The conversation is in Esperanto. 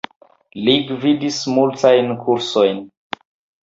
Li gvidis multajn kursojn.